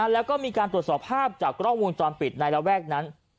แล้วก็มีการตรวจสอบภาพจากกล้องวงจรปิดในระแวกนั้น